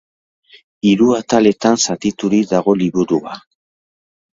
Hiru ataletan zatiturik dago liburua.